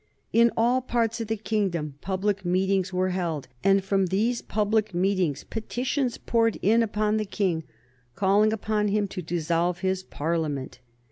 In all parts of the kingdom public meetings were held, and from these public meetings petitions poured in upon the King calling upon him to dissolve his Parliament.